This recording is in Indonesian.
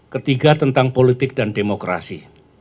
ketiga tentang politik dan demokrasi